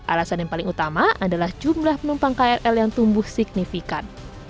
alasan yang paling utama adalah jumlah penumpang krl yang tumbuh signifikan